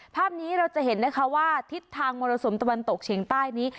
ภาพนี้เราจะเห็นนะคะว่าทิศทางมรสุมตะวันตกเฉียงใต้นี้